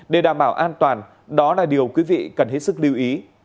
để đảm bảo an toàn đó là điều quý vị cần hết sức lưu ý